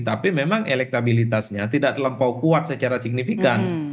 tapi memang elektabilitasnya tidak terlampau kuat secara signifikan